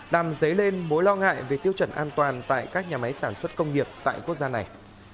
làm dấy lên mối lo ngại về tiêu chuẩn an toàn tại các nhà máy sản xuất công nghiệp tại quốc gia này